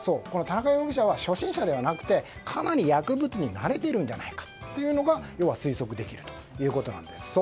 田中容疑者は初心者ではなくてかなり薬物に慣れているんじゃないかということが要は推測できるということです。